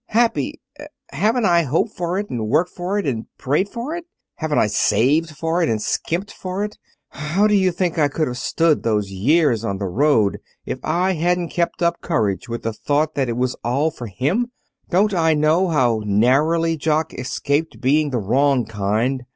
Happy! Haven't I hoped for it, and worked for it, and prayed for it! Haven't I saved for it, and skimped for it! How do you think I could have stood those years on the road if I hadn't kept up courage with the thought that it was all for him? Don't I know how narrowly Jock escaped being the wrong kind!